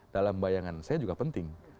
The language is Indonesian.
dalam bayangan saya juga penting